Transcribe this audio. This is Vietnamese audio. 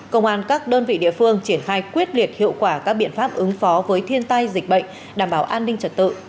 công an các đơn vị địa phương triển khai quyết liệt hiệu quả các biện pháp ứng phó với thiên tai dịch bệnh đảm bảo an ninh trật tự